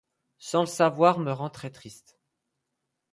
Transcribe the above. Sans le savoir me rend très triste